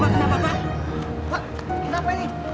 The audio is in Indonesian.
bapak kenapa pak